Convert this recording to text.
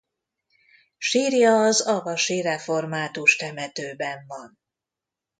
Sírja az avasi református temetőben van.